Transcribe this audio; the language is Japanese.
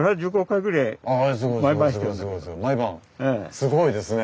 すごいですね。